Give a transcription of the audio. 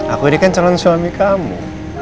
aku ini kan calon suami kamu